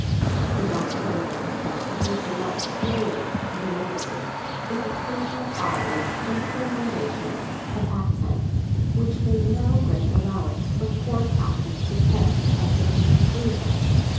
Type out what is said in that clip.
The Doctor delivered himself of these remarks slowly, deliberately, with occasional pauses and prolongations of accent, which made no great allowance for poor Catherine's suspense as to his conclusion.